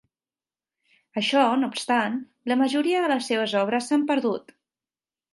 Això no obstant, la majoria de les seves obres s'han perdut.